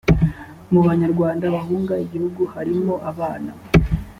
mu banyarwanda bahunga igihugu harimo abana